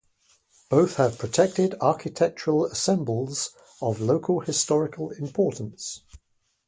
Both have protected architectural ensembles of local historical importance.